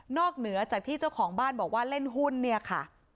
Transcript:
เหนือจากที่เจ้าของบ้านบอกว่าเล่นหุ้นเนี่ยค่ะ